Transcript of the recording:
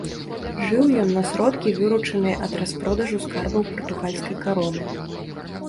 Жыў ён на сродкі, выручаныя ад распродажу скарбаў партугальскай кароны.